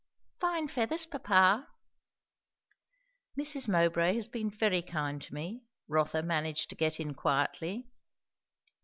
"Fine feathers, papa." "Mrs. Mowbray has been very kind to me," Rotha managed to get in quietly.